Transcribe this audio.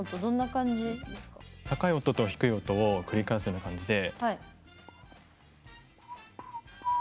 高い音と低い音を繰り返すような感じで。